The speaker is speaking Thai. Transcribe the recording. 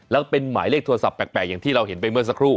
แล้วเป็นหมายเลขโทรศัพท์แปลกอย่างที่เราเห็นไปเมื่อสักครู่